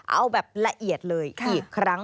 เอาแบบละเอียดเลยอีกครั้ง